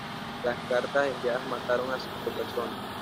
Las cartas enviadas mataron a cinco personas.